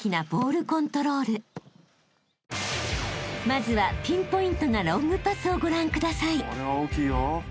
［まずはピンポイントなロングパスをご覧ください］